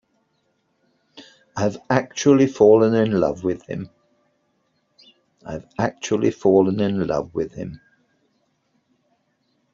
I've actually fallen in love with him.